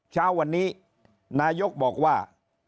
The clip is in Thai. เช้าวันนี้นายกบอกว่า